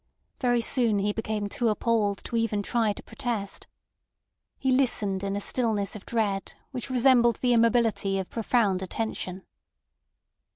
Very soon he became too appalled to even try to protest. He listened in a stillness of dread which resembled the immobility of profound attention.